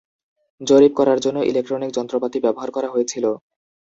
জরিপ করার জন্য ইলেক্ট্রনিক যন্ত্রপাতি ব্যবহার করা হয়েছিল।